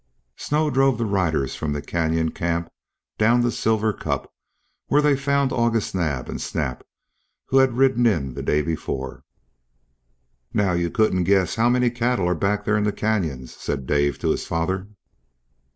Snow drove the riders from the canyon camp down to Silver Cup, where they found August Naab and Snap, who had ridden in the day before. "Now you couldn't guess how many cattle are back there in the canyons," said Dave to his father.